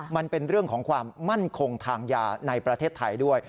มันเป็นเรื่องของความมั่นคงทางยาในประเทศไทยด้วย